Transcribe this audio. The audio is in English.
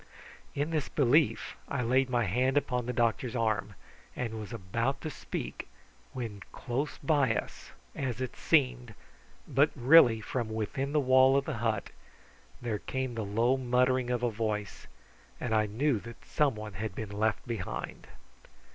In this belief I laid my hand upon the doctor's arm, and was about to speak, when close by us, as it seemed, but really from within the wall of the hut, there came the low muttering of a voice, and I knew that some one had been left behind.